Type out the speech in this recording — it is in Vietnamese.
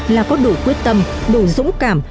là có đủ quyết tâm đủ dũng cảm